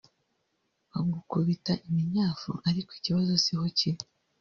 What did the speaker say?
bagukubita iminyafu… ariko ikibazo si aho kiri